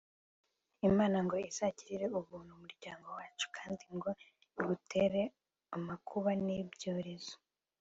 imana ngo izagirire ubuntu umuryango wacu kandi ngo igutere amakuba n'ibyorezo